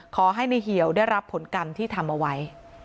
ขอให้ในเหี่ยวได้รับผลกรรมที่ทำเอาไว้